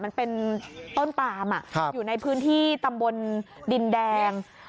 มันเป็นต้นปามอยู่ในพื้นที่ตำบลดินแดง